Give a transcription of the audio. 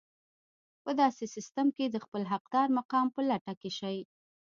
په داسې سيستم کې د خپل حقدار مقام په لټه کې شئ.